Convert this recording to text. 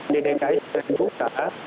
dki sudah dibuka